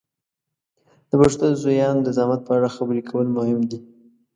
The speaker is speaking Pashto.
د پښتو د زویانو د زحمت په اړه خبرې کول مهم دي.